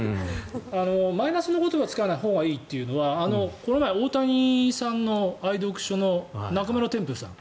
マイナスの言葉を使わないほうがいいというのはこの前、大谷さんの愛読書の中村天風さん